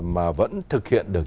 mà vẫn thực hiện được